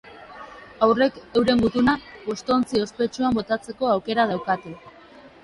Haurrek, euren gutuna, postontzi ospetsuan botatzeko aukera daukate.